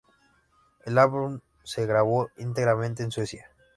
El álbum se grabó íntegramente en Suecia.